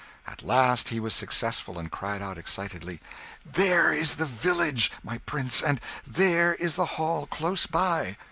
At last he was successful, and cried out excitedly "There is the village, my Prince, and there is the Hall close by!